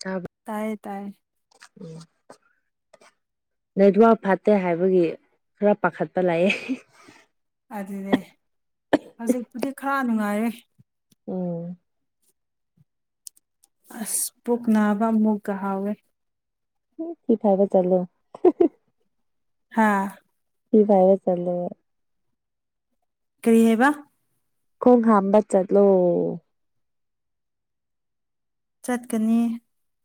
ꯇꯥꯕ꯭ꯔꯥ ꯇꯥꯏꯌꯦ ꯇꯥꯏꯌꯦ ꯎꯝ ꯅꯦꯠꯋꯔꯛ ꯐꯠꯇꯦ ꯍꯥꯏꯕꯒꯤ ꯈꯔ ꯄꯥꯈꯠꯄ ꯂꯥꯛꯑꯦ ꯑꯗꯨꯅꯦ ꯍꯧꯖꯤꯛꯄꯨꯗꯤ ꯈꯔ ꯅꯨꯡꯉꯥꯏꯔꯦ ꯎꯝ ꯑꯁ ꯄꯨꯛꯅꯕ ꯃꯨꯛꯊ ꯍꯧꯋꯦ [unintelligible] ꯆꯠꯂꯣ ꯍꯥꯥ [unintelligible] ꯆꯠꯂꯣ ꯀ꯭ꯔꯤ ꯍꯥꯏꯕꯥ ꯈꯣꯡ ꯍꯥꯝꯕ ꯆꯠꯂꯣ ꯆꯠꯀꯅꯤ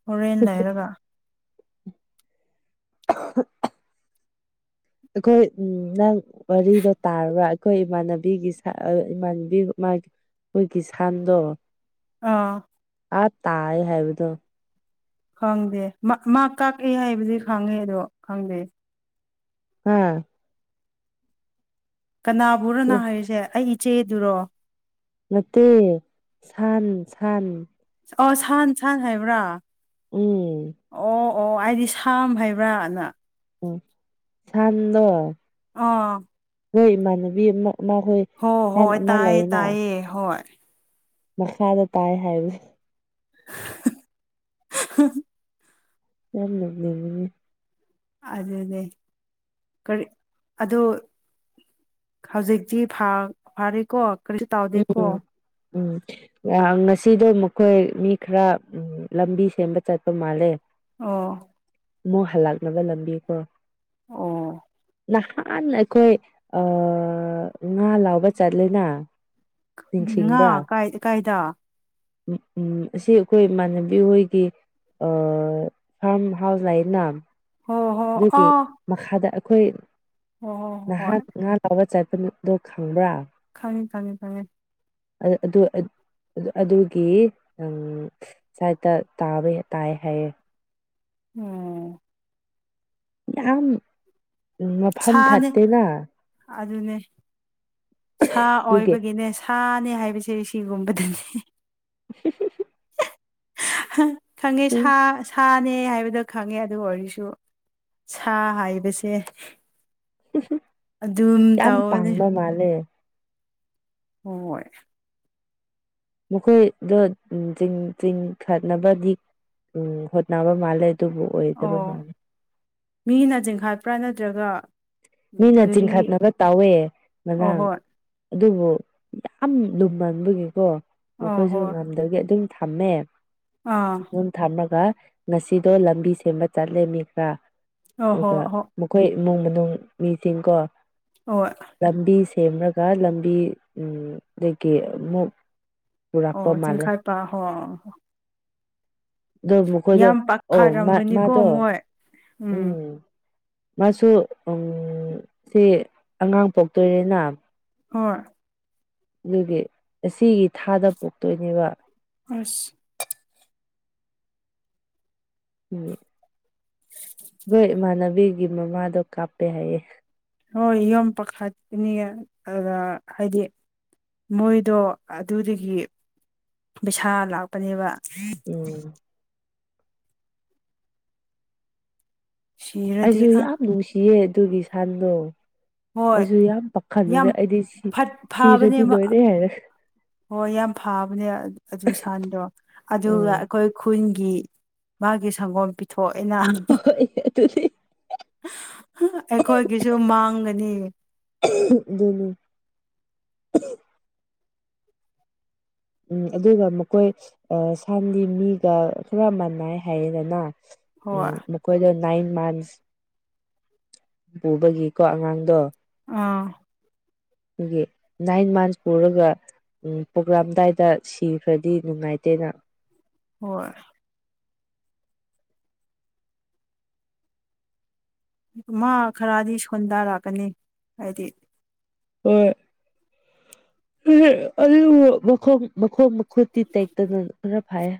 ꯍꯣꯔꯦꯟ ꯂꯩꯔꯒ [unintelligible] [inaudible] ꯑꯩꯈꯣꯏ ꯎꯝ ꯅꯪ ꯋꯥꯔꯤꯗꯣ ꯇꯥꯔꯕ ꯑꯩꯈꯣꯏ ꯏꯃꯥꯟꯅꯕꯤꯒꯤ ꯁꯥꯏ ꯏꯃꯥꯟꯅꯕꯤ ꯃꯥꯒꯤ ꯈꯣꯏꯒꯤ ꯁꯟꯗꯣ ꯑꯥ ꯑꯥ ꯇꯥꯔꯦ ꯍꯥꯏꯕꯗꯣ ꯈꯪꯗꯦ ꯃꯥ ꯀꯛꯑꯦ ꯍꯥꯏꯕꯗꯤ ꯈꯪꯉꯦ ꯑꯗꯣ ꯈꯪꯗꯦ ꯍꯥ ꯀꯅꯥꯕꯨꯔꯣ ꯅꯪꯅ ꯍꯥꯏꯔꯤꯁꯦ ꯑꯩ ꯏꯆꯦꯗꯨꯔꯣ ꯅꯠꯇꯦ ꯁꯟ ꯁꯟ ꯑꯥ ꯁꯟ ꯁꯥꯟ ꯍꯥꯏꯕ꯭ꯔꯥ ꯎꯝ ꯑꯣ ꯑꯣ ꯑꯩꯗꯤ ꯁꯥꯝ ꯍꯥꯏꯕ꯭ꯔꯥꯅ ꯑꯣ ꯁꯥꯟꯗꯣ ꯑꯥ ꯈꯣꯏ ꯏꯃꯥꯟꯅꯕꯤ ꯑꯃ ꯏꯃꯥꯈꯣꯏ ꯍꯣꯏ ꯍꯣꯏ ꯇꯥꯏꯌꯦ ꯇꯥꯏꯌꯦ ꯍꯣꯏ ꯃꯈꯥꯗ ꯇꯥꯏ ꯍꯥꯏꯕꯅꯦ [unintelligible] [unintelligible] ꯑꯗꯨꯅꯦ ꯀꯔꯤ ꯑꯗꯣ ꯍꯧꯖꯤꯛꯇꯤ ꯐꯥ ꯐꯥꯔꯦꯀꯣ ꯀꯔꯤꯁꯨ ꯇꯧꯗꯦꯀꯣ ꯎꯝ ꯎꯝ ꯑꯥ ꯉꯁꯤꯗꯣ ꯃꯈꯣꯏ ꯃꯤ ꯈꯔ ꯂꯝꯕꯤ ꯁꯦꯝꯕ ꯆꯠꯄ ꯃꯥꯜꯂꯦ ꯑꯣ ꯃꯨꯛ ꯍꯜꯂꯛꯔꯒ ꯂꯝꯕꯤꯀꯣ ꯑꯣ ꯅꯍꯥꯟ ꯑꯩꯈꯣꯏ ꯑꯥ ꯉꯥ ꯂꯧꯕ ꯆꯠꯂꯦꯅ ꯉꯥ ꯀꯥꯏ ꯀꯥꯏꯗ ꯎꯝ ꯎꯝ ꯑꯁꯤ ꯑꯩꯈꯣꯏ ꯏꯃꯥꯟꯅꯕꯤ ꯍꯣꯏꯒꯤ ꯑꯥ ꯐꯥꯔꯝ ꯍꯥꯎꯁ ꯂꯩꯅ ꯍꯣ ꯍꯣ ꯑꯗꯨꯒꯤ ꯑꯣ ꯃꯈꯥꯗ ꯑꯩꯈꯣꯏ ꯍꯣ ꯍꯣꯏ ꯅꯍꯥꯛ ꯉꯥ ꯂꯧꯕ ꯆꯠꯄꯗꯣ ꯈꯪꯕ꯭ꯔꯥ ꯈꯪꯉꯦ ꯈꯪꯉꯦ ꯈꯪꯉꯦ ꯑꯗꯨ ꯑꯗꯨ ꯑꯗꯨꯒꯤ ꯎꯝ ꯁꯥꯏꯠꯇ ꯇꯥꯕꯩ ꯇꯥꯏ ꯍꯥꯏꯌꯦ ꯎꯝ ꯌꯥꯝ ꯃꯐꯝ ꯁꯥꯅꯦ ꯐꯠꯇꯦꯅ ꯑꯗꯨꯅꯦ ꯁꯥ ꯑꯗꯨꯒꯤ ꯑꯣꯏꯕꯒꯤꯅꯦ ꯁꯥꯅꯦ ꯍꯥꯏꯕꯁꯤ ꯁꯤꯒꯨꯝꯕꯗꯅꯤ [unintelligible] ꯈꯪꯉꯦ ꯁꯥ ꯎꯝ ꯁꯥ ꯅꯦ ꯍꯥꯏꯕꯗꯣ ꯈꯪꯉꯦ ꯑꯗꯨ ꯑꯣꯏꯔꯁꯨ ꯁꯥ ꯍꯥꯏꯕꯁꯦ ꯑꯗꯨꯝ ꯌꯥꯝ ꯇꯧꯕꯅꯦ ꯄꯥꯡꯕ ꯃꯥꯜꯂꯦ ꯍꯣꯏ ꯃꯈꯣꯏꯗꯣ ꯆꯤꯡ ꯆꯤꯡ ꯈꯠꯅꯕꯗꯤ ꯎꯝ ꯍꯣꯠꯅꯕ ꯃꯥꯜꯂꯦ ꯑꯗꯨꯕꯨ ꯑꯣꯏꯗꯕ ꯑꯣ ꯃꯥꯜꯂꯦ ꯃꯤꯅ ꯆꯤꯡꯈꯠꯄ꯭ꯔꯥ ꯅꯠꯇ꯭ꯔꯒ ꯃꯤꯅ ꯒꯥꯔꯤ ꯆꯤꯡꯈꯠꯔꯒ ꯇꯧꯋꯦ ꯑꯣ ꯉꯔꯥꯡ ꯍꯣꯏ ꯑꯗꯨꯕꯨ ꯌꯥꯝ ꯂꯨꯝꯃꯟꯕꯒꯤꯀꯣ ꯑꯣ ꯃꯈꯣꯏꯁꯨ ꯍꯣꯏ ꯉꯝꯗꯒꯤ ꯑꯗꯨꯝ ꯊꯝꯃꯦ ꯑꯥ ꯑꯗꯨꯝ ꯊꯝꯔꯒ ꯉꯁꯤꯗꯣ ꯂꯝꯕꯤ ꯁꯦꯝꯕ ꯆꯠꯂꯦ ꯃꯤ ꯈ꯭ꯔꯥ ꯑꯣ ꯍꯣ ꯑꯗꯨꯒ ꯍꯣ ꯃꯈꯣꯏ ꯏꯃꯨꯡ ꯃꯅꯨꯡ ꯃꯤꯇꯤꯡꯀꯣ ꯍꯣꯏ ꯂꯝꯕꯤ ꯁꯦꯝꯔꯒ ꯂꯝꯕꯤ ꯎꯝ ꯗꯥꯒꯤ ꯑꯃꯨꯛ ꯄꯨꯔꯛꯄ ꯑꯣ ꯃꯥꯜꯂꯦ ꯆꯤꯡꯈꯥꯠꯄ ꯍꯣ ꯑꯗꯨ ꯃꯈꯣꯏꯗꯣ ꯌꯥꯝ ꯑꯣ ꯃꯥ ꯄꯥꯈꯠꯔꯝꯒꯅꯤꯀꯣ ꯃꯥꯗꯣ ꯃꯣꯏ ꯎꯝ ꯃꯥꯁꯨ ꯎꯝ ꯁꯤ ꯑꯉꯥꯡ ꯄꯣꯛꯇꯣꯔꯦꯅ ꯍꯣꯏ ꯑꯗꯨꯒꯤ ꯑꯁꯤꯒꯤ ꯊꯥꯗ ꯄꯣꯛꯇꯣꯏꯅꯦꯕ ꯑꯁ [unintelligible] ꯑꯩꯈꯣꯏ ꯏꯃꯥꯟꯅꯕꯤꯒꯤ ꯒꯤ ꯃꯃꯥꯗꯣ ꯀꯥꯞꯄꯦ ꯍꯥꯏꯌꯦ ꯍꯣꯏ ꯌꯝ ꯄꯈꯥꯀꯅꯤꯌꯦ ꯑꯗꯥ ꯍꯥꯏꯗꯤ ꯃꯣꯏꯗꯣ ꯑꯗꯨꯗꯒꯤ ꯄꯩꯁꯥ ꯂꯥꯛꯄꯅꯦꯕ ꯎꯝ ꯁꯤꯔꯗꯤ ꯑꯩꯖꯨ ꯑ ꯌꯥꯝ ꯅꯨꯡꯁꯤꯌꯦ ꯑꯗꯨꯒꯤ ꯁꯥꯟꯗꯣ ꯍꯣꯏ ꯑꯩꯖꯨ ꯌꯥꯝ ꯌꯥꯝ ꯄꯥꯈꯠꯂꯨꯔꯦ ꯑꯩꯗꯤ ꯁꯤ ꯐꯠ ꯁꯤꯔꯗꯤ ꯂꯣꯏꯔꯦ ꯍꯥꯏꯔꯒ ꯃꯌꯥꯝ ꯐꯥꯕꯅꯦ ꯑ ꯑꯗꯨ ꯁꯟꯗꯣ ꯑꯗꯨꯒ ꯎꯝ ꯑ ꯈꯣꯏ ꯈꯨꯟꯒꯤ ꯃꯥꯒꯤ ꯁꯪꯒꯣꯝ ꯄꯤꯊꯣꯛꯑꯦꯅꯥ ꯍꯣꯏ ꯑꯗꯨ [unintelligible] ꯑꯩꯈꯣꯏꯒꯤꯁꯨ ꯃꯥꯡꯒꯅꯤ [unintelligible] ꯗꯨꯅꯤ ꯎꯝ ꯑꯗꯨꯒ ꯃꯈꯣꯏ ꯑꯥ ꯁꯟꯗꯤ ꯃꯤꯒ ꯈꯔ ꯃꯥꯟꯅꯥꯏ ꯍꯥꯏꯌꯦꯗꯅ ꯎꯝ ꯍꯣꯏ ꯃꯈꯣꯏꯗ ꯅꯥꯏꯟ ꯃꯟꯁ ꯄꯨꯕꯒꯤꯀꯣ ꯑꯉꯥꯡꯗꯣ ꯑꯥ [unintelligible] ꯒꯤ ꯅꯥꯏꯟ ꯃꯟꯁ ꯄꯨꯔꯒ ꯎꯝ ꯄ‌ꯣꯛꯔꯝꯗꯥꯏꯗ ꯁꯤꯈ꯭ꯔꯗꯤ ꯅꯨꯡꯉꯥꯏꯇꯦꯅꯥ ꯍꯣꯏ ꯃꯥ ꯈꯔꯗꯤ ꯁꯣꯟꯊꯔꯛꯀꯅꯤ ꯍꯥꯏꯗꯤ ꯍ‌ꯣꯏ [unintelligible] ꯑꯗꯨꯕꯨ ꯃꯈꯣꯡ ꯃꯈꯣꯡ ꯃꯈꯨꯠꯇꯤ ꯇ‌ꯦꯛꯇꯅ ꯈꯔ ꯐꯩ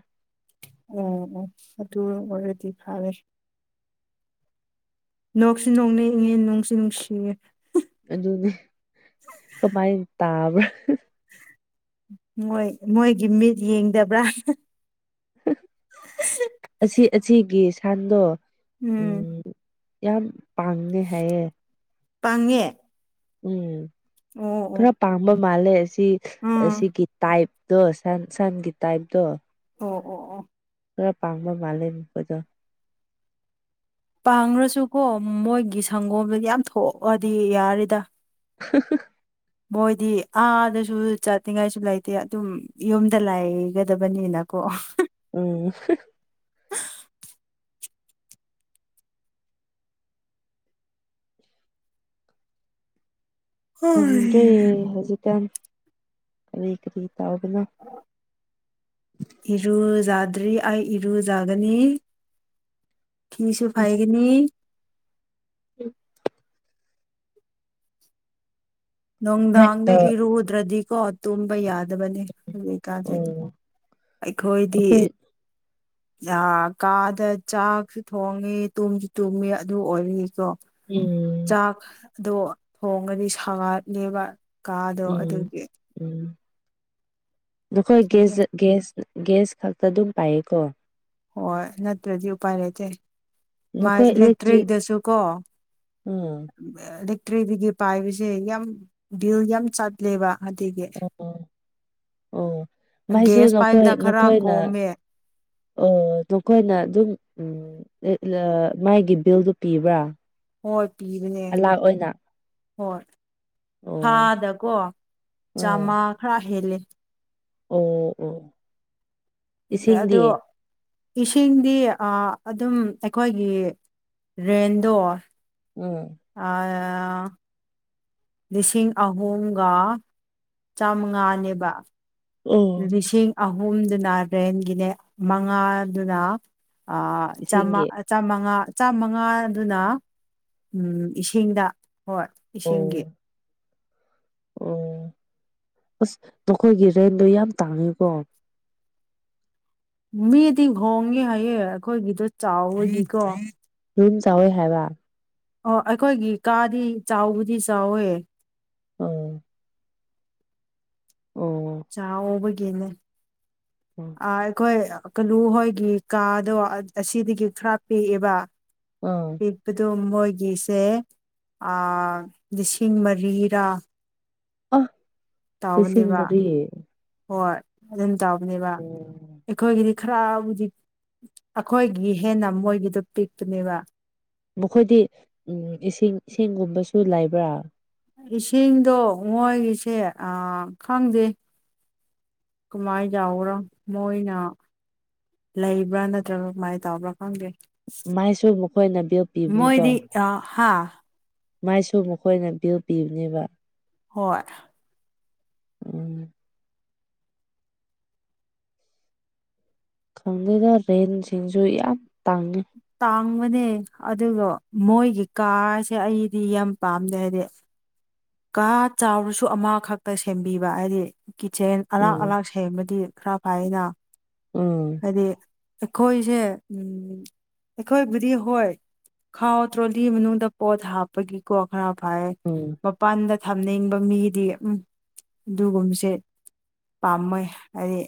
ꯑꯣ ꯑꯣ ꯑꯗꯨ ꯑꯣꯏꯔꯗꯤ ꯐꯔꯦ ꯅꯣꯛꯁꯨ ꯅꯣꯛꯅꯤꯡꯉꯤ ꯅꯨꯡꯁꯨ ꯅꯨꯡꯁꯤꯌ‌ꯦ ꯑꯗꯨꯅꯤ ꯀꯃꯥꯏꯟ ꯇꯥꯕ꯭ꯔꯥ ꯃꯣꯏ ꯃꯣꯏꯒꯤ ꯃꯤꯠ ꯌꯦꯡꯗꯕ꯭ꯔꯥ ꯑꯁꯤ ꯑꯁꯤꯒꯤ ꯁꯟꯗꯣ ꯎꯝ ꯌꯥꯝ ꯄꯥꯡꯗ‌ꯦ ꯍꯥꯏꯌꯦ ꯄꯪꯉꯦ ꯎꯝ ꯈꯔ ꯄꯥꯝꯕ ꯃꯥꯜꯂꯦ ꯑꯁꯤ ꯎꯝ ꯑꯁꯤꯒꯤ ꯇꯥꯏꯞ ꯗꯣ ꯁꯟ ꯁꯟ ꯁꯟꯒꯤ ꯇꯥꯏꯞꯇ‌ꯣ ꯑꯣ ꯑꯣ ꯑꯣ ꯈꯔ ꯄꯥꯡꯕ ꯃꯥꯜꯂꯦ ꯃꯈꯣꯏꯗꯣ ꯄꯥꯡꯔꯁꯨꯀꯣ ꯃꯣꯏꯒꯤ ꯁꯪꯒꯣꯝꯗ‌ꯣ ꯌꯥꯝ ꯊꯣꯛꯑꯗꯤ ꯌꯥꯔ‌ꯦꯗꯥ [unintelligible] ꯃꯣꯏꯗꯤ ꯑꯥꯗꯁꯨ ꯆꯠꯅꯤꯡꯉꯥꯏꯁꯨ ꯂꯩꯇꯦ ꯑꯗꯨꯝ ꯌꯨꯝꯗ ꯂꯩꯒꯗꯕꯅꯤꯅꯀꯣ ꯎꯝ ꯍꯣꯏ ꯈꯪꯗ꯭ꯔ‌ꯦ ꯍꯧꯖꯤꯛꯀꯥꯟ ꯀꯔꯤ ꯀꯔꯤ ꯇꯥꯎꯕꯅꯣ [unintelligible] ꯏꯔꯨꯖꯥꯗ꯭ꯔꯤ ꯑꯩ ꯏꯔꯨꯖꯥꯒꯅꯤ ꯊꯤꯁꯨ ꯐꯥꯏꯒꯅꯤ ꯎꯝ [unintelligible] ꯍꯦꯛꯇ ꯅꯨꯡꯗꯥꯡꯗ ꯏꯔꯨꯗ꯭ꯔꯗꯤꯀꯣ ꯇꯨꯝꯕ ꯌꯥꯗꯕꯅ‌ꯦ ꯍꯨꯖꯤꯛ ꯀꯥꯟꯁ‌ꯦ ꯎꯝ ꯑꯩꯈꯣꯏꯗꯤ ꯑꯩꯈꯣꯏ ꯑꯥ ꯀꯥꯗ ꯆꯥꯛꯁꯨ ꯊꯣꯡꯉꯤ ꯇꯨꯝꯁꯨ ꯇꯨꯝꯃꯤ ꯑꯗꯨ ꯑꯣꯏꯕꯒꯤꯀꯣ ꯎꯝ ꯆꯥꯛꯗꯣ ꯊꯣꯡꯉꯗꯤ ꯁꯥꯒꯠꯂ‌ꯦꯕ ꯀꯥꯗꯣ ꯎꯝ ꯑꯗꯨꯒꯤ ꯎꯝ ꯅꯈꯣꯏ ꯒ‌ꯦꯖꯥ ꯒ‌ꯦꯁ ꯒꯦꯁ ꯈꯛꯇ ꯑꯗꯨꯝ ꯄꯥꯏꯌꯦꯀꯣ ꯍꯣꯏ ꯅꯠꯇ꯭ꯔꯗꯤ ꯎꯄꯥꯏ ꯂꯩꯇ‌ꯦ ꯃꯥꯢ ꯅꯈꯣꯏ ꯏꯂꯦꯛꯇ꯭ꯔꯤꯛ ꯏꯂꯦꯛꯇ꯭ꯔꯤꯛꯇꯁꯨ ꯀꯣ꯫ ꯎꯝ ꯑꯑ ꯏꯂꯦꯛꯇ꯭ꯔꯤꯛ ꯗꯒꯤ ꯄꯥꯏꯕꯁꯦ ꯌꯥꯝ ꯕꯤꯜ ꯌꯥꯝ ꯆꯠꯂꯦꯕꯥ꯫ ꯑꯗꯤꯒꯤ ꯑꯣ ꯑꯣ ꯃꯥꯏꯁꯨ ꯒꯦꯁ ꯅꯈꯣꯏ ꯄꯥꯏꯕꯅ ꯈꯔ ꯅꯈꯣꯏꯅ ꯀꯣꯝꯃꯦ꯫ ꯑꯣ ꯅ‌ꯣꯈꯣꯏꯅꯥ ꯑꯗꯨꯝ ꯎꯝ꯫ ꯂꯦ ꯂꯥ ꯃꯥꯒꯤ ꯕꯤꯜꯗꯣ ꯄꯤꯕ꯭ꯔꯥ꯫ ꯍꯣꯏ ꯄꯤꯕꯅꯦ ꯑꯂꯥꯛ ꯑꯣꯏꯅ ꯍꯣꯏ꯫ ꯑꯣ ꯊꯥꯗꯀꯣ ꯆꯥꯃ ꯎꯝ ꯈꯔ ꯍꯦꯜꯂꯦ꯫ ꯑꯣ ꯑꯣ꯫ ꯑꯦꯛ ꯏꯁꯤꯡꯗꯤ ꯑꯗꯣ ꯏꯁꯤꯡꯗꯤ ꯑꯥ ꯑꯗꯨꯝ ꯑꯩꯈꯣꯏꯒꯤ ꯔꯦꯟꯗꯣ꯫ ꯎꯝ꯫ ꯑꯥ [unintelligible] ꯂꯤꯁꯤꯡ ꯑꯍꯨꯝꯒ ꯆꯥꯃꯉꯥꯅꯦꯕ꯫ ꯑꯝ ꯂꯤꯁꯤꯡ ꯑꯍꯨꯝꯗꯨꯅ ꯔꯦꯟꯒꯤꯅꯦ ꯃꯉꯥꯗꯨꯅ꯫ ꯑꯥ ꯆꯃꯥ ꯏꯁꯤꯡꯒꯤ ꯆꯥꯃꯉꯥ ꯆꯥꯃꯉꯥꯗꯨꯅ ꯎꯝ ꯏꯁꯤꯡꯗ ꯍꯣꯏ꯫ ꯏꯁꯤꯡꯒꯤ꯫ ꯑꯣ ꯑꯣ ꯑꯁ ꯅꯈꯣꯏꯒꯤ ꯔꯦꯟꯗꯣ ꯌꯥꯝ ꯇꯥꯡꯉꯦꯀꯣ꯫ ꯃꯤꯗꯤ ꯍꯣꯡꯉꯦ ꯍꯥꯏꯌꯦ ꯑꯩꯈꯣꯏꯒꯤꯗꯣ ꯆꯥꯎꯕꯅꯤꯀꯣ꯫ ꯔꯨꯝ ꯆꯥꯎꯋꯦ ꯍꯥꯏꯕ꯫ ꯑꯣ ꯑꯩꯈꯣꯏꯒꯤ ꯀꯥꯗꯤ ꯆꯥꯎꯕꯨꯗꯤ ꯆꯥꯎꯋꯦ꯫ ꯑꯥ ꯑꯣ꯫ ꯆꯥꯎꯕꯒꯤꯅꯦ ꯑꯥ ꯑ ꯑꯩꯈꯣꯏ ꯀꯂꯨ ꯍꯣꯏꯒꯤ ꯀꯥꯗꯣ ꯑꯁꯤꯗꯒꯤ ꯈꯔ ꯄꯤꯛꯑꯦꯕ꯫ ꯑꯥ ꯄꯤꯛꯄꯗꯣ ꯃꯣꯏꯒꯤꯁꯦ ꯂꯤꯁꯤꯡ ꯑꯥ ꯃꯔꯤꯔꯥ ꯑ꯫ ꯂꯤꯁꯤꯡ ꯇꯥꯎꯕꯅꯦꯕ ꯃꯔꯤ ꯍꯣꯏ ꯑꯗꯨꯝ ꯇꯥꯎꯕꯅꯦꯕ꯫ ꯑꯣ ꯑꯈꯣꯏꯒꯤꯗꯤ ꯈꯔꯕꯨꯗꯤ ꯑꯈꯣꯏꯒꯤ ꯍꯦꯟꯅ ꯃꯣꯏꯒꯤꯗꯣ ꯄꯤꯛꯄꯅꯦꯕ꯫ ꯃꯈꯣꯏꯗꯤ ꯎꯝ ꯏꯁꯤꯡ ꯏꯁꯤꯡꯒꯨꯝꯕꯁꯨ ꯂꯩꯕ꯭ꯔꯥ꯫ ꯏꯁꯤꯡꯗꯣ ꯃꯣꯏꯒꯤꯁꯦ ꯑ ꯈꯪꯗꯦ꯫ ꯀꯃꯥꯏꯅꯟ ꯌꯥꯎꯕ꯭ꯔꯣ ꯃꯣꯏꯅ꯫ ꯂꯩꯕ꯭ꯔꯥ ꯅꯠꯇ꯭ꯔꯒ ꯀꯃꯥꯏꯅ ꯇꯧꯕ꯭ꯔꯥ ꯈꯪꯗꯦ꯫ ꯃꯥꯏꯁꯨ ꯃꯈꯣꯏꯅ ꯕꯤꯜ ꯄꯤꯕꯅꯤꯀꯣ꯫ ꯌꯥ ꯍꯥꯥ꯫ ꯃꯩꯁꯨ ꯃꯈꯣꯏꯅ ꯕꯤꯜ ꯄꯤꯕꯅꯦꯕ꯫ ꯍꯣꯏ꯫ ꯎꯝ꯫ ꯈꯪꯗꯦꯗ ꯔꯦꯟꯁꯤꯡꯖꯨ ꯌꯥꯝ ꯇꯥꯡꯉꯦ ꯇꯥꯡꯕꯅꯦ ꯑꯗꯨꯒ ꯃꯣꯏꯒꯤ ꯀꯥꯁꯦ ꯑꯩꯗꯤ ꯌꯥꯝ ꯄꯥꯝꯗꯦ ꯍꯥꯏꯗꯤ꯫ ꯀꯥ ꯆꯥꯎꯔꯁꯨ ꯑꯃꯈꯛꯇ ꯁꯦꯝꯕꯤꯕ ꯍꯥꯏꯗꯤ꯫ ꯀꯤꯠꯆꯦꯟ ꯑꯂꯥꯛ ꯎꯝ ꯑꯂꯥꯛ ꯁꯦꯝꯕꯗꯤ ꯈꯔ ꯐꯩꯅ꯫ ꯎꯝ꯫ ꯍꯥꯏꯗꯤ ꯑꯩꯈꯣꯏꯁꯦ ꯎꯝ ꯑꯩꯈꯣꯏꯕꯨꯗꯤ ꯍꯣꯏ꯫ ꯈꯥꯎ ꯇ꯭ꯔꯣꯂꯤ ꯃꯅꯨꯡꯗ ꯄꯣꯠ ꯍꯥꯞꯄꯒꯤꯀꯣ ꯈꯔ ꯐꯥꯏ꯫ ꯎꯝ ꯃꯄꯥꯟꯗ ꯊꯝꯅꯤꯡꯕ ꯃꯤꯗꯤ ꯎꯝ ꯑꯗꯨꯒꯨꯝꯕꯁꯦ꯫ ꯄꯥꯝꯃꯣꯏ ꯍꯥꯏꯗꯤ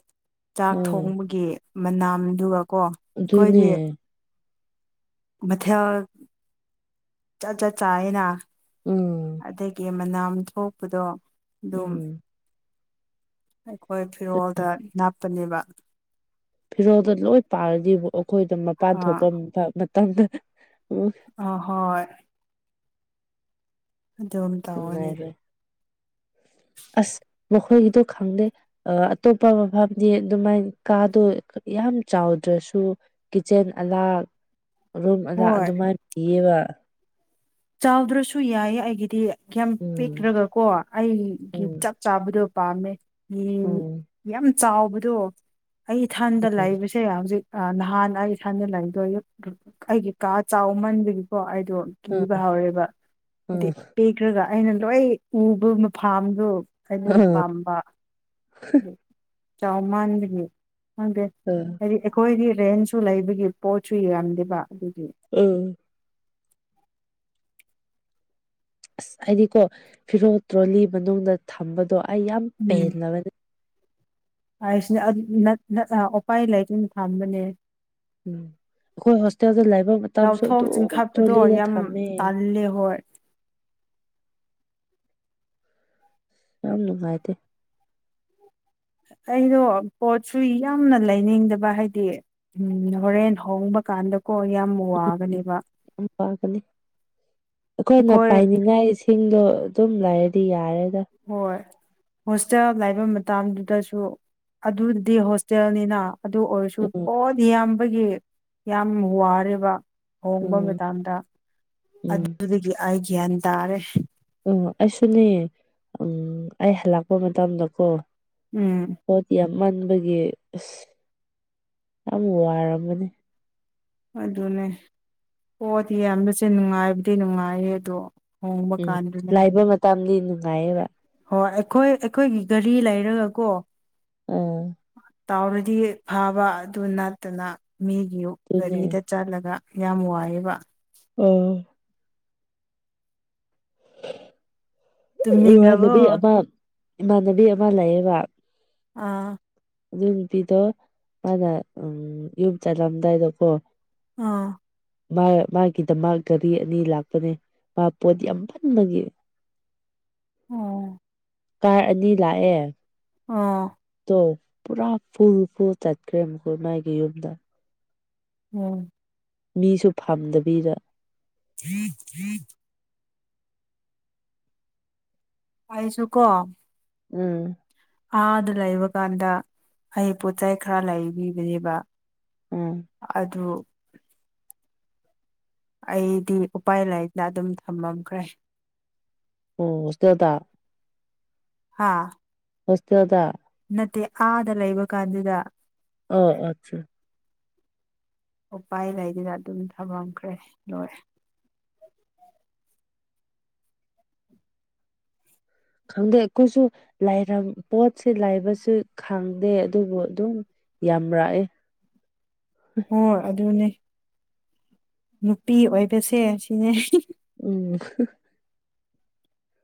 ꯆꯥꯛ ꯎꯝ ꯊꯣꯡꯕꯒꯤ ꯃꯅꯥꯝꯗꯨꯒꯀꯣ꯫ ꯑꯩꯈꯣꯏꯗꯤ ꯑꯗꯨꯅꯦ꯫ ꯃꯊꯦꯜ ꯆꯥꯠ ꯆꯥꯠ ꯆꯥꯑꯦꯅ ꯎꯝ ꯑꯗꯒꯤ ꯃꯅꯥꯝ ꯊꯣꯛꯄꯗꯣ ꯑꯗꯨꯝ ꯎꯝ꯫ ꯑꯩꯈꯣꯏ ꯐꯤꯔꯣꯜꯗ ꯅꯥꯞꯄꯅꯦꯕ꯫ ꯐꯤꯔꯣꯜꯗꯣ ꯂꯣꯏ ꯄꯥꯔꯗꯤ ꯑꯩꯈꯣꯏꯗꫭ ꯑ ꯃꯄꯥꯟ ꯊꯣꯛꯄ ꯃꯐꯝ ꯃꯇꯝꯗ ꯑꫭ ꯍꯣꯏ꯫ ꯑꯗꯨꯝ ꯇꯧꯔꯅꯤ ꯅꯨꯡꯉꯥꯏꯔꫭꯏ꯫ ꯑꯁ ꯃꯈꯣꯏꯒꯤꯗꯣ ꯈꯪꯗꯦ꯫ ꯑꯇꯣꯞꯄ ꯃꯐꯝꯗꯤ ꯑꯗꯨꯃꯥꯏꯅ ꯀꯥꯗꯣ ꯌꯥꯝ ꯆꯥꯎꯗ꯭ꯔꯁꯨ ꯀꯤꯠꯆꯦꯟ ꯑꯂꯥ ꯔꯨꯝ ꯑꯂꯥ ꯍꯣꯏ ꯑꯗꯨꯃꯥꯏ ꯄꯤꯌꯦꯕ꯫ ꯆꯥꯎꯗ꯭ꯔꯁꯨ ꯌꯥꯏ ꯑꯩꯒꯤꯗꯤ ꯌꯥꯝ ꯎꯝ ꯄꯤꯛꯔꯒ ꯀꯣ ꯑꯩꯒꯤ ꯎꯝ ꯆꯞ ꯆꯥꯕꯗꯣ ꯄꯥꯝꯃꯦ ꯌꯤꯡ ꯎꯝ ꯌꯥꯝ ꯆꯥꯎꯕꯗꯣ ꯑꯩ ꯏꯊꯥꯟꯗ ꯎꯝ ꯂꯥꯛꯕꯁꯤ ꯁꯦ ꯍꯧꯖꯤꯛ ꯅꯍꯥꯟ ꯑꯩ ꯏꯊꯟꯗ ꯂꯩꯕꯗꫭ ꯑꯩ ꯑꯩꯒꯤ ꯀꯥ ꯆꯥꯎꯃꯟꯕꯒꯤꯀꯣ ꯑꯩꯗꯣ ꯎꯝ ꯀꯤꯕ ꯍꯥꯎꯔꯦꯕ ꯍꯥꯏꯗꯤ ꯎꯝ ꯄꯦꯛꯔꯒ ꯑꯩꯅ ꯂꯣꯏ ꯎꯕ ꯃꯐꯥꯝꯗꯣ ꯑꯗꯨ ꯎꯝ ꯄꯥꯝꯕ ꯆꯥꯎ ꯃꯥꯟꯕꯒꯤ ꯈꯪꯗꯦ꯫ [unintelligible] ꯍꯥꯏꯗꯤ ꯑꯩꯈꯣꯏꯒꯤ ꯔꯦꯟꯁꯨ ꯂꯩꯕꯒꯤ ꯄꯣꯠꯁꯨ ꯌꯥꯝꯗꯦꯕ ꯑꯗꯨꯒꯤ꯫ [unintelligible] ꯑꯁ ꯑꯩꯗꯤꯀꯣ ꯐꯤꯔꯣꯜ ꯇ꯭ꯔꯣꯂꯤ ꯃꯅꯨꯡꯗ ꯊꯝꯕꯗꯣ ꯑꯩ ꯌꯥꯝ ꯄꯦꯟꯂꯕꯅꯦ꯫ ꯍꯥꯏꯁꯤꯅꯦ ꯑꯗꯨ ꯅ ꯅ ꯎꯄꯥꯏ ꯂꯩꯥꯏꯇꯅ ꯊꯝꯕꯅꯦ꯫ ꯎꯝ ꯑꯈꯣꯏ ꯍꯣꯁꯇꯦꯜꯗ ꯂꯩꯕ ꯃꯇꯝꯁꯨ ꯂꯧꯊꯣꯛ ꯑꯗꯨꯝ ꯆꯤꯡꯈꯠꯄꯗꯣ ꯇ꯭ꯔꯣꯂꯤꯗ ꯌꯥꯝ ꯊꯝꯃꯦ꯫ ꯇꯜꯂꯦ ꯍꯣꯏ ꯌꯥꯝ ꯅꯨꯡꯉꯥꯏꯗꯦ ꯑꯩꯗꯣ ꯄꯣꯠꯁꯨ ꯌꯥꯝꯅ ꯂꯩꯅꯤꯡꯗꯕ ꯍꯥꯏꯗꯤ ꯎꯝ ꯍꯣꯔꯦꯟ ꯍꯣꯡꯕ ꯀꯥꯟꯗꯀꯣ ꯌꯥꯝ ꯋꯥꯒꯅꯤꯕ꯫ ꯌꯥꯝ ꯋꯥꯒꯅꯤ ꯑꯩꯈꯣꯏꯅ ꯑꯩꯈꯣꯏ ꯄꯥꯏꯅꯤꯡꯉꯥꯏꯁꯦ ꯁꯤꯡꯗꯣ ꯑꯗꯨꯝ ꯂꯩꯔꯗꯤ ꯌꯥꯔꯦꯗ꯫ ꯍꯣꯏ꯫ ꯍꯣꯁꯇꯦꯜ ꯂꯥꯏꯕ ꯃꯇꯝꯗꯨꯗꯁꯨ ꯑꯗꯨꯗꯤ ꯍꯣꯁꯇꯦꯜꯅꯤꯅꯥ꯫ ꯑꯗꯨ ꯑꯣꯏꯔꯁꯨ ꯎꯝ ꯄꯣꯠ ꯌꯥꯝꯕꯒꯤ ꯌꯥꯝ ꯋꯥꯔꯦꯕ꯫ ꯍꯣꯡꯕ ꯎꯝ ꯃꯇꯝꯗ ꯎꯝ ꯑꯗꯨꯗꯒꯤ ꯑꯩ ꯒ꯭ꯌꯥꯟ ꯇꯥꯔꯦ꯫ ꯎꯝ ꯑꯩꯁꯨꯅꯦ ꯑꯩ ꯍꯜꯂꯛꯄ ꯃꯇꯝꯗꯀꯣ ꯎꯝ꯫ ꯄꯣꯠ ꯌꯥꯝꯃꯟꯕꯒꯤ ꯑꯁ ꯌꯥꯝ ꯋꯥꯔꯝꯕꯅꯦ꯫ ꯑꯗꯨꯅꯦ ꯄꫭꯠ ꯌꯥꯝꯕꯁꯦ ꯅꯨꯡꯉꯥꯏꯕꯨꯗꯤ ꯅꯨꯡꯉꯥꯏꯌꯦ ꯑꯗꯣ ꯍꯣꯡꯕ ꯎꯝ ꯀꯥꯟꯗꯨꯅꯦ ꯂꯥꯏꯕ ꯃꯇꯝꯗꯤ ꯅꯨꯡꯉꯥꯏꯌꯦꯕ꯫ ꯍꯣꯏ ꯑꯩꯈꯣꯏ ꯑꯩꯈꯣꯏꯒꯤ ꯒꯔꯤ ꯂꯩꯔꯒ ꯀꯣ ꯎꯝ꯫ ꯇꯥꯎꯔꯗꯤ ꯐꯥꯕ ꯑꯗꯨ ꯅꯠꯇꯅ ꯃꯤꯒꯤ ꯑꯗꯨꯅꯦ ꯒꯔꯤꯗ ꯆꯠꯂꯒ ꯌꯥꯝ ꯋꯥꯑꯦꯕ꯫ ꯑꯣ꯫ ꯇꯨꯝꯅꯤꯡꯈ꯭ꯔꯕꯣ ꯏꯃꯥꯟꯅꯕꯤ ꯑꯃ ꯏꯃꯥꯟꯅꯕꯤ ꯑꯃ ꯂꯩꯌꯦꯕ꯫ ꯑꯥ ꯑꯗꯨ ꯅꯨꯄꯤꯗꯣ ꯃꯥꯅ ꯎꯝ ꯌꯨꯝ ꯆꯠꯂꯝꯗꯥꯏꯗꯀꯣ ꯑꯥ ꯃꯥ ꯃꯥꯒꯤꯗꯃꯛ ꯒꯥꯔꯤ ꯑꯅꯤ ꯂꯥꯛꯄꯅꯦ ꯃꯥ ꯄꯣꯠ ꯌꯥꯝ ꯃꯥꯟꯕꯒꯤ ꯑꯣ ꯀꯥꯔ ꯑꯅꯤ ꯂꯥꯛꯑꯦ ꯑꯣ꯫ ꯇꯣ ꯄꯨꯔꯥ ꯐꯨꯜ ꯐꯨꯜ ꯆꯠꯈ꯭ꯔꯦ ꯃꯈꯣꯏ ꯃꯥꯒꯤ ꯌꯨꯝꯗ ꯎꯝ꯫ ꯃꯤꯁꯨ ꯐꯝꯗꯕꯤꯗ꯫ [inaudible] ꯑꯩꯁꯨ ꯀꯣ꯫ ꯎꯝ꯫ ꯑꯥꯗ ꯂꯩꯕ ꯀꯥꯟꯗ ꯑꯩ ꯄꯣꯠ ꯆꯩ ꯈꯔ ꯂꯩꯕꯤꯕꯅꯦꯕ꯫ ꯑꯣ ꯑꯗꯨ꯫ ꯑꯩꯗꯤ ꯎꯄꯥꯏ ꯂꯩꯥꯇ ꯑꯗꯨꯝ ꯊꯝꯃꯝꯈ꯭ꯔꯦ ꯑꯣ ꯍꯣꯁꯇꯦꯜꯗ꯫ ꯍꯥꯥ꯫ ꯍꯣꯁ ꯇꯦꯜꯗ꯫ ꯅꯠꯇꯦ ꯑꯥꯗ ꯂꯩꯕ ꯀꯥꯟꯗꯨꯗ꯫ ꯑꯣ ꯑꯠꯆꯥ꯫ ꯎꯄꯥꯏ ꯂꯩꯗꯦꯗ ꯑꯗꯨꯝ ꯊꯃꯝꯈ꯭ꯔꯦ ꯂꯣꯏꯔꯦ꯫ ꯈꯪꯗꯦ ꯑꯩꯈꯣꯏꯁꯨ ꯂꯥꯏꯔꯝ ꯄꯣꯠꯁꯦ ꯂꯥꯏꯕꯁꯨ ꯈꯪꯗꯦ ꯑꯗꯨꯕꯨ ꯑꯗꯨꯝ꯫ ꯌꯥꯝꯔꯥꯛꯑꯦ ꯍꯣꯏ ꯑꯗꯨꯅꯦ꯫ ꯅꯨꯄꯤ ꯑꯣꯏꯕꯁꯦ ꯁꯤꯅꯦ꯫ ꯎꯝ꯫